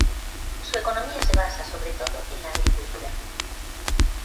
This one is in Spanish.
Su economía se basa sobre todo en la agricultura.